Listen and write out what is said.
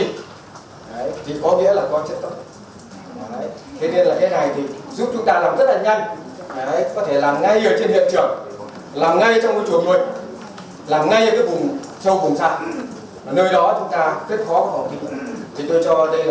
tiếp tục thanh tục